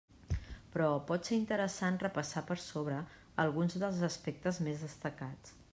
Però pot ser interessant repassar per sobre alguns dels aspectes més destacats.